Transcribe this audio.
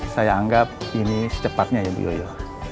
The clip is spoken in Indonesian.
saya anggap ini secepatnya ya bu yoyo